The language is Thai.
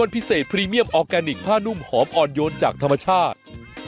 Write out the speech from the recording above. พิเศษพรีเมียมออร์แกนิคผ้านุ่มหอมอ่อนโยนจากธรรมชาติ